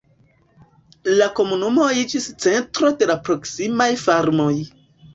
La komunumo iĝis centro de la proksimaj farmoj.